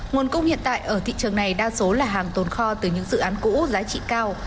nguồn cung hiện tại ở thị trường này đa số là hàng tồn kho từ những dự án cũ giá trị cao